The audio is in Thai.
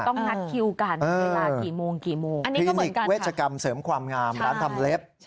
ต้องนัดคิวกันเวลากี่โมงกี่โมงอันนี้คลินิกเวชกรรมเสริมความงามร้านทำเล็บ